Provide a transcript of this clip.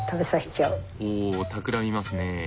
ほうたくらみますねえ。